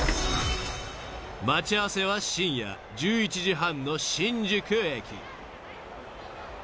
［待ち合わせは深夜１１時半の新宿駅］